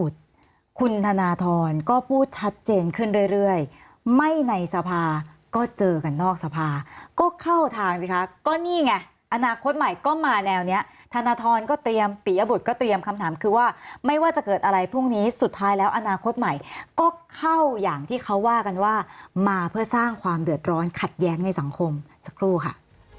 คุณธนทรก็พูดชัดเจนขึ้นเรื่อยไม่ในสภาก็เจอกันนอกสภาก็เข้าทางสิคะก็นี่ไงอนาคตใหม่ก็มาแนวนี้ธนทรก็เตรียมปียบุตรก็เตรียมคำถามคือว่าไม่ว่าจะเกิดอะไรพรุ่งนี้สุดท้ายแล้วอนาคตใหม่ก็เข้าอย่างที่เขาว่ากันว่ามาเพื่อสร้างความเดือดร้อนขัดแย้งในสังคมสักครู่ค่ะ